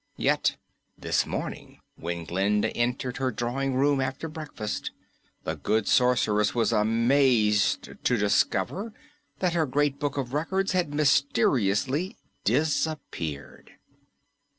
Yet this morning when Glinda entered her drawing room after breakfast, the good Sorceress was amazed to discover that her Great Book of Records had mysteriously disappeared.